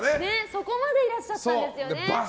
そこまでいらっしゃったんですよね。